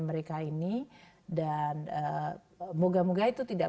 mereka ini dan moga moga itu tidak